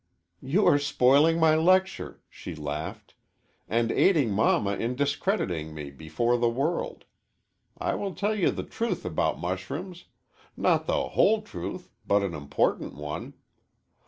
"You are spoiling my lecture," she laughed, "and aiding Mamma in discrediting me before the world. I will tell you the truth about mushrooms. Not the whole truth, but an important one.